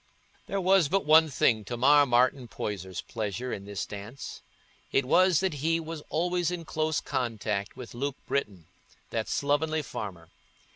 There was but one thing to mar Martin Poyser's pleasure in this dance: it was that he was always in close contact with Luke Britton, that slovenly farmer.